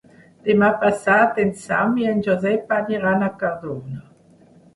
Demà passat en Sam i en Josep aniran a Cardona.